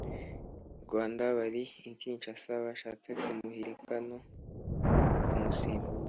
Rwanda bari i Kinshasa bashatse kumuhirika no kumusimbuza